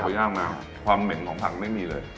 ย่างมาความเหม็นของผักไม่มีเลย